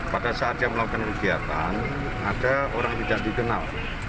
pada saat dia melakukan kegiatan ada orang tidak dikenal